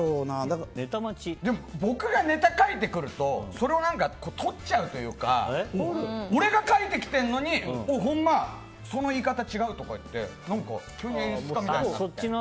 僕がネタ書いてくるとそれを取っちゃうというか俺が書いてきてるのに本間、その言い方違うとか言って急に演出家みたいになって。